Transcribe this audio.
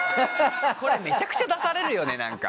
これめちゃくちゃ出されるよね何か。